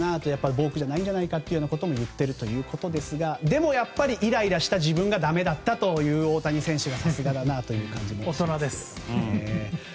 ボークじゃないんじゃないかと言っているということですがでもイライラした自分がだめだったという大谷選手がさすがだなという感じも。